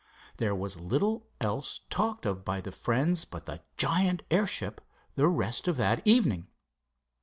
There was little else talked of by the friends but the giant airship the rest of that evening.